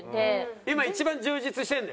今一番充実してるんだよね。